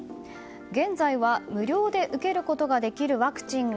現在は無料で受けることができるワクチンが